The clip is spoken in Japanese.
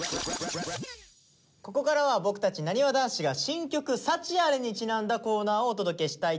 ここからは僕たちなにわ男子が新曲「サチアレ」にちなんだコーナーをお届けしたいと思います。